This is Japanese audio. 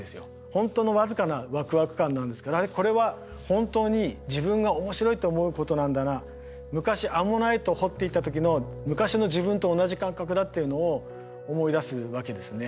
本当の僅かなワクワク感なんですけどあれこれは本当に自分が面白いと思うことなんだな昔アンモナイトを掘っていた時の昔の自分と同じ感覚だっていうのを思い出すわけですね。